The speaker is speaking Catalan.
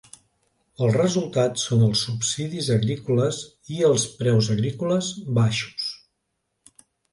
El resultat són els subsidis agrícoles i els preus agrícoles baixos.